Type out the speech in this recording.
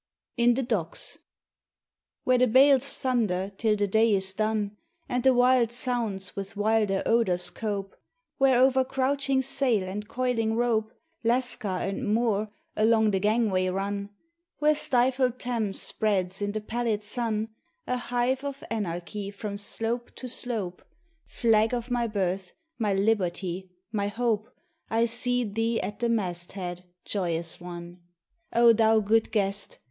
IN THE DOCKS. Where the bales thunder till the day is done, And the wild sounds with wilder odours cope; Where over crouching sail and coiling rope, Lascar and Moor along the gangway run; Where stifled Thames spreads in the pallid sun, A hive of anarchy from slope to slope; Flag of my birth, my liberty, my hope, I see thee at the masthead, joyous one! O thou good guest!